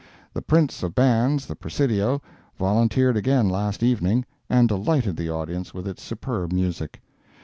The prince of Bands—the Presidio—volunteered again last evening, and delighted the audience with its superb music.